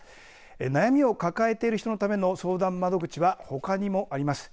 悩みを抱えている人のための相談窓口はほかにもあります。